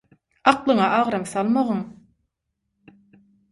aklyňa agram salmagyň